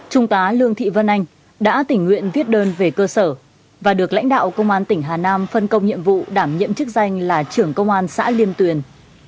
trung tá lương thị vân anh đã tình nguyện viết đơn về cơ sở và được lãnh đạo công an tỉnh hà nam phân công nhiệm vụ đảm nhiệm chức danh là trưởng công an xã liêm tuyền